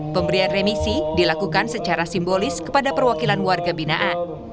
pemberian remisi dilakukan secara simbolis kepada perwakilan warga binaan